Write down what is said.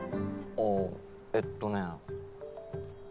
あぁえっとねぇ。